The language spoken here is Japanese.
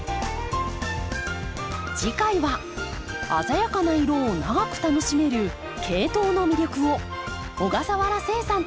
次回は鮮やかな色を長く楽しめるケイトウの魅力を小笠原誓さんとお送りします。